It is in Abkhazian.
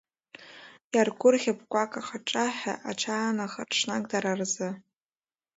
Иаргәырӷьап қәак ахаҽаҳәа аҿаанахар ҽнак дара рзы.